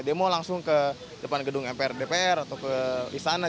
demo langsung ke depan gedung mpr dpr atau ke istana